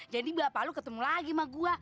jadi bapak lu ketemu lagi sama gua